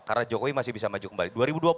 karena jokowi masih bisa maju kembali